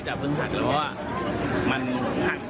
จึงไม่ได้เอดในแม่น้ำ